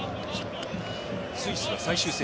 スイスの最終戦